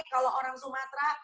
kalau orang sumatera